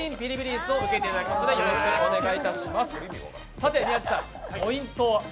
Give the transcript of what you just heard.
さて宮地さん、ポイントは？